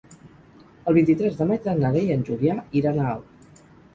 El vint-i-tres de maig na Nara i en Julià iran a Alp.